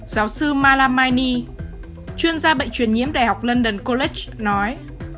giáo sư malamaini chuyên gia bệnh truyền nhiễm đại học london college nói